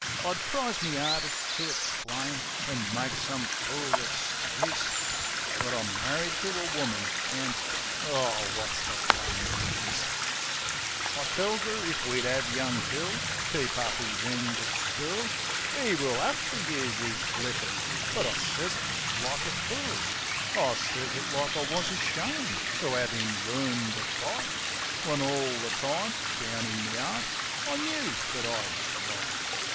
I tries me 'ardest to ixplain, an' made some fool ixcuse ; But I'm marri'd to a woman, an' Aw, wot's the flamin' use? I tells 'er if we'd 'ave young Bill keep up 'is end at school 'E will 'ave to use 'is flippers; but I sez it like a fool. I sez it like I wus ashamed to 'ave 'im learn to fight, When all the time, down in me 'eart, I knoo that I wus right.